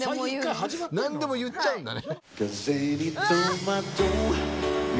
何でも言っちゃうんだね。